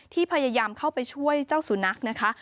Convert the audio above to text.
พยายามเข้าไปช่วยเจ้าสุนัขนะคะ